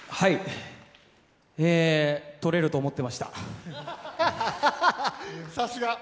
とれると思っていました。